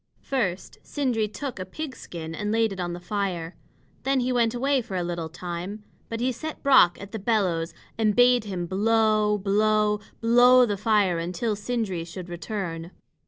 First Sindri took a pig's skin and laid it on the fire. Then he went away for a little time; but he set Brock at the bellows and bade him blow blow blow the fire until Sindri should return.